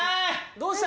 どうした？